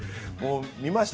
見ました？